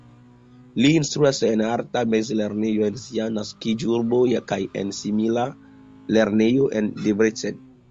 Li instruas en arta mezlernejo en sia naskiĝurbo kaj en simila lernejo en Debrecen.